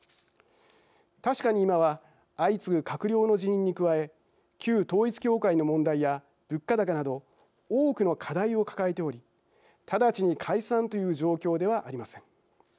確かに今は相次ぐ閣僚の辞任に加え旧統一教会の問題や物価高など多くの課題を抱えており直ちに解散という状況ではありません。